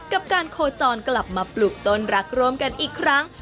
กับการโคจรกลับมาปลูกต้นรักร่วมกันอีกครั้ง